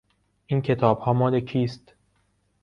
این کتابها مال کیست؟